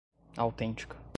autêntica